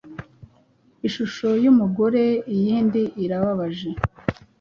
Ishusho yumugoreiyindi irababaje